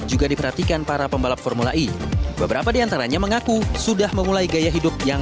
juga diperhatikan para pembalap formula e beberapa diantaranya mengaku sudah memulai gaya hidup yang